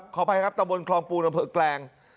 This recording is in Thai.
ขอไปครับตรคลองปูนอำเภอกแกรง